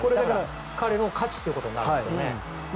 彼の価値ということになるんですよね。